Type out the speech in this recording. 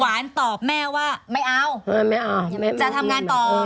หวานตอบแม่ว่าไม่เอาจะทำงานต่อ